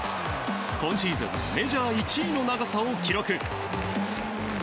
今シーズンメジャー１位の長さを記録。